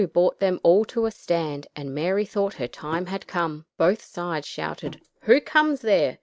brought them all to a stand, and Mary thought her time had come. Both sides shouted, "Who comes there?"